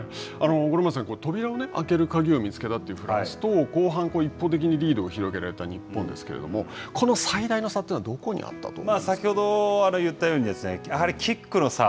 五郎丸さん、扉を開ける鍵を見つけたというフランスと、後半、一方的にリードを広げられた日本ですけれども、この最大の差というのは先ほど言ったようにキックの差。